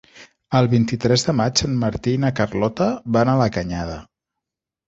El vint-i-tres de maig en Martí i na Carlota van a la Canyada.